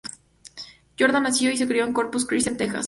Jordan nació y se crio en Corpus Christi, Texas.